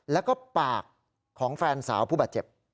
แล้วก็ปากของแฟนสาวผู้บาดเจ็บ